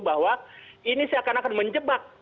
bahwa ini seakan akan menjebak